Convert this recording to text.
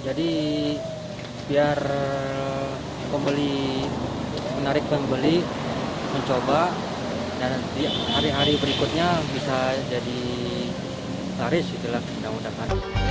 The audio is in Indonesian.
jadi biar pembeli menarik pembeli mencoba dan hari hari berikutnya bisa jadi taris itulah yang udah tadi